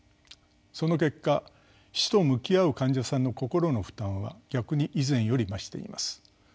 その結果死と向き合う患者さんの心の負担は逆に以前より増しています。